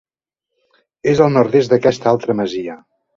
És al nord-est d'aquesta altra masia.